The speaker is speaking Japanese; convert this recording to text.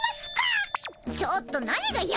ちょっと何が「ややっ」だよ。